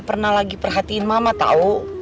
pernah lagi perhatiin mama tahu